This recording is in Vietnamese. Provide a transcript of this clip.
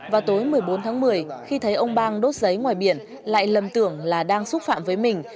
vào tối một mươi bốn tháng một mươi khi thấy ông bang đốt giấy ngoài biển lại lầm tưởng là đang xúc phạm với mình